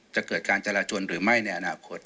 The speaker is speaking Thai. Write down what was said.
จะเกิดการจราจนหรือไม่ในอนาคต